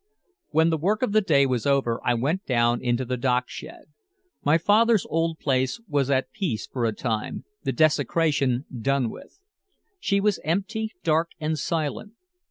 When the work of the day was over, I went down into the dock shed. My father's old place was at peace for a time, the desecration done with. She was empty, dark and silent.